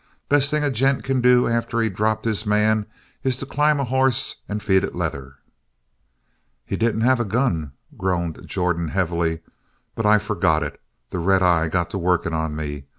Best thing a gent can do after he's dropped his man is to climb a hoss and feed it leather." "He didn't have a gun," groaned Jordan heavily. "But I forgot it. The red eye got to working on me.